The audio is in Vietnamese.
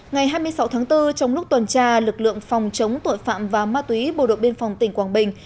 ngày hai mươi sáu tháng bốn trong lúc tuần tra lực lượng phòng chống tội phạm và ma túy bộ đội biên phòng tỉnh quảng bình